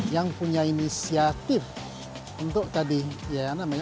yang punya inisiatif untuk tadi ya namanya